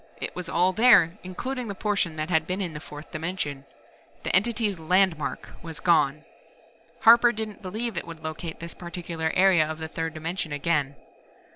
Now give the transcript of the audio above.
It was all there, including the portion that had been in the fourth dimension. The Entity's "landmark" was gone. Harper didn't believe It would locate this particular area of the third dimension again.